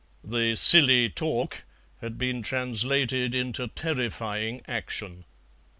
The "silly talk" had been translated into terrifying action.